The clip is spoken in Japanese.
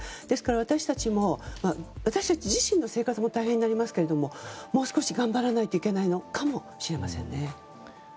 ですから、私たち自身の生活も大変になりますけどもう少し頑張らないといけないのかもしれませんね。